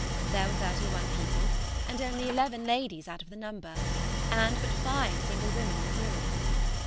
There were thirty one people, and only eleven ladies out of the number, and but five single women in the room.